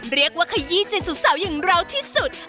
เรียกว่าขยี้ใจสุดสาวอย่างเราที่สุด